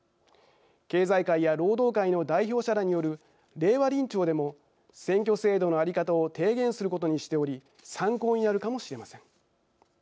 経済界や労働界の代表者らによる令和臨調でも選挙制度の在り方を提言することにしており参考になるかもしれません。